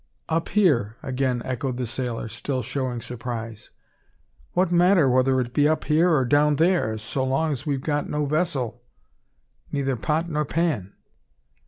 "Up here!" again echoed the sailor, still showing surprise. "What matter whether it be up here or down theear, so long's we've got no vessel, neyther pot nor pan?"